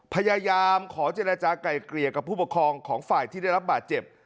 พยายามขอเจรจาก่ายเกลี่ยกับผู้ปกครองของฝ่ายที่ได้รับบาดเจ็บ